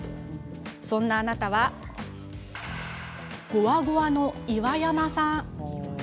そんなあなたはごわごわの岩山さん。